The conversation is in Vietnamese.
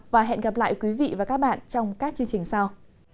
và hẹn gặp lại quý vị và các bạn trong các chương trình sau